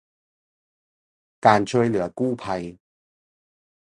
การช่วยเหลือกู้ภัย